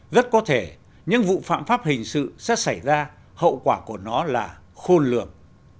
rất có thể những vụ phạm pháp hình sự sẽ xảy ra hậu quả của nó là khôn lường